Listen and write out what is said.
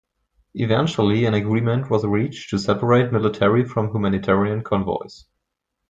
Eventually an agreement was reached to separate military from humanitarian convoys.